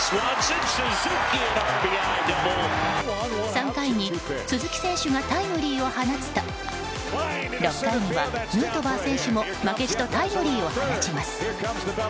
３回に、鈴木選手がタイムリーを放つと６回にはヌートバー選手も負けじとタイムリーを放ちます。